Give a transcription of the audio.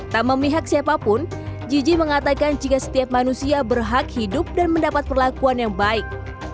tak memihak siapapun gigi mengatakan jika setiap manusia berhak hidup dan mendapat perlakuan yang baik